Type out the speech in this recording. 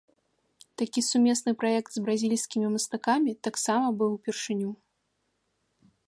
Такі сумесны праект з бразільскімі мастакамі таксама быў упершыню.